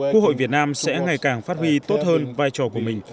quốc hội việt nam sẽ ngày càng phát huy tốt hơn vai trò của mình